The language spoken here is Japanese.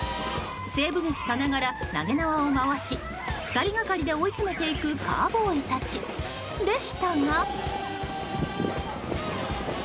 西部劇さながら、投げ縄を回し２人がかりで追い詰めていくカウボーイたちでしたが。